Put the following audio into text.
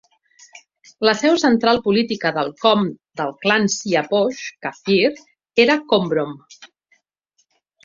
La seu central política del Kom del clan Siah-Posh Kafir era a "Kombrom".